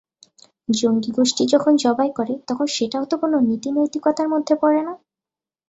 জঙ্গিগোষ্ঠী যখন জবাই করে, তখন সেটাও তো কোনো নীতিনৈতিকতার মধ্যে পড়ে না।